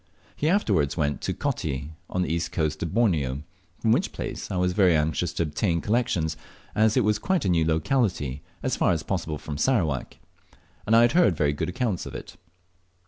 He afterwards went to Coti on the east coast of Borneo, from which place I was very anxious to obtain collections, as it is a quite new locality as far as possible from Sarawak, and I had heard very good accounts of it.